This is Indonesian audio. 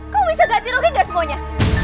kok bisa ganti rugi gak semuanya